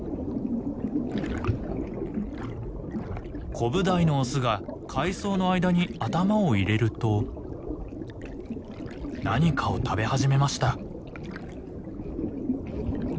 コブダイのオスが海藻の間に頭を入れると何かを食べ始めました。